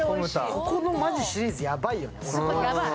ここの、マジ、シリーズ、ヤバいよね。